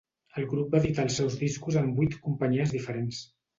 El grup va editar els seus discos en vuit companyies diferents.